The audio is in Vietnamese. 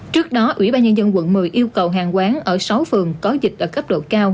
trước đó ủy ban nhân dân quận một mươi yêu cầu hàng quán ở sáu phường có dịch ở cấp độ cao